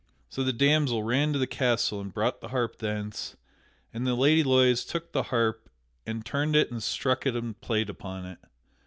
So the damsel ran to the castle and brought the harp thence, and the Lady Loise took the harp and tuned it and struck it and played upon it.